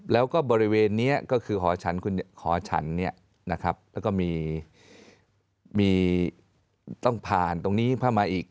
แล้วก็บริเวณนี้ก็คือหอฉันหอฉันแล้วก็ต้องผ่านตรงนี้เข้ามาอีก